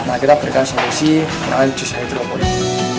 nah kita berikan solusi dengan jus hidroponik